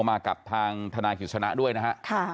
มากับทางทนายกิจชนะด้วยนะฮะ